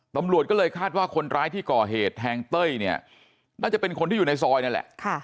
ตำรวจก็เลยคาดว่าคนร้ายที่ก่อเหตุแทงเต้ยเนี่ยน่าจะเป็นคนที่อยู่ในซอยนั่นแหละ